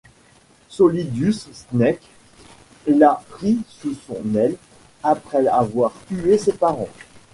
Solidus Snake l'a pris sous son aile après avoir tué ses parents.